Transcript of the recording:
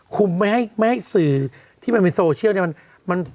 ไม่ให้สื่อที่มันเป็นโซเชียลเนี่ย